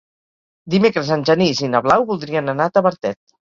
Dimecres en Genís i na Blau voldrien anar a Tavertet.